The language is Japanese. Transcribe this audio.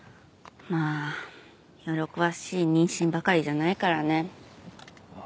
まあ喜ばしい妊娠ばかりじゃないからね。